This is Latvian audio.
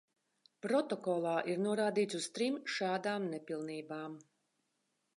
Protokolā ir norādīts uz trim šādām nepilnībām.